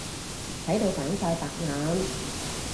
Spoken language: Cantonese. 睇到反晒白眼。